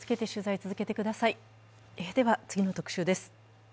では次の特集です。